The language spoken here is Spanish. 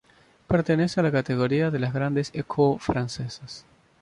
Pertenece a la categoría de las Grandes Écoles francesas.